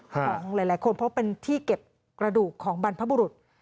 ของหลายคนเพราะเป็นที่เก็บกระดูกของบรรพบุรุษ